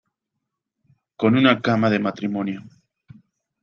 con una cama de matrimonio